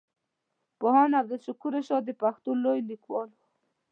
پوهاند عبدالشکور رشاد د پښتو لوی ليکوال وو.